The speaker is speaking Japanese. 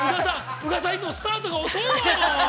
◆宇賀さん、いつもスタートが遅いのよ。